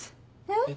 えっ！